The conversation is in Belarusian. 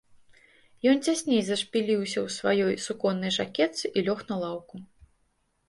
Ён цясней зашпіліўся ў сваёй суконнай жакетцы і лёг на лаўку.